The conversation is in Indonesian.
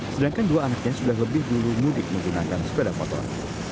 sedangkan dua anaknya sudah lebih dulu mudik menggunakan sepeda motor